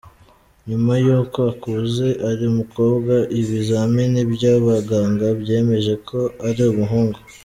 Nyuma y'uko akuze ari umukobwa, ibizamini by'abaganga byemeje ko ari umuhungu.